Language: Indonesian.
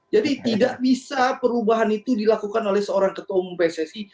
jadi tidak bisa perubahan itu dilakukan oleh seorang ketua umum pcsi